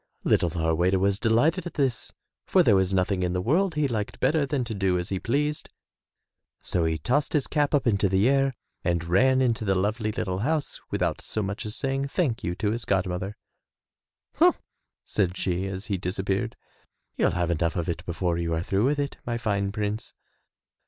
Little Harweda was delighted at this for there was nothing in the world he liked better than to do as he 35 MY BOOK HOUSE pleased, so he tossed his cap up into the air and ran into the lovely little house with out so much as saying "Thank you'' to his god mother. "Humph," said she as he disappeared, "you'll have enough of it before you are through with it, my fine prince."